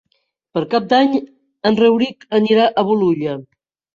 Per Cap d'Any en Rauric anirà a Bolulla.